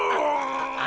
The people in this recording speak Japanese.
あ